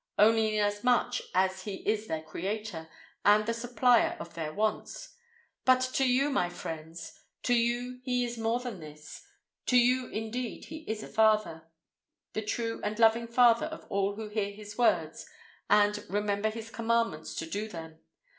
Only inasmuch as He is their Creator, and the supplier of their wants. But to you, my friends—to you He is more than this: to you indeed He is a Father—the true and loving Father of all who hear His words, and "remember His commandments to do them."